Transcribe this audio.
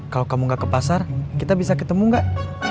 kalau kamu nggak ke pasar kita bisa ketemu nggak